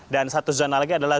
dan satu zona lagi adalah